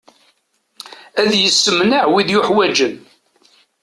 Ad yessemneɛ wid yuḥwaǧen.